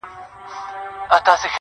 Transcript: ولي مي هره شېبه، هر ساعت پر اور کړوې.